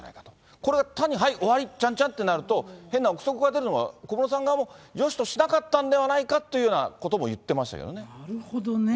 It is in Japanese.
これは単に、はい、終わり、ちゃんちゃんってなると、変な臆測が出るのが、小室さん側もよしとしなかったんではないかというようなことも言なるほどね。